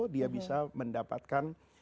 dia bisa mendapatkan